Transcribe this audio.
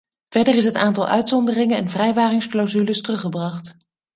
Verder is het aantal uitzonderingen en vrijwaringsclausules teruggebracht.